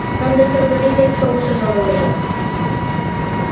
Ынде Кыргорий век шогышыжо ойлыжо!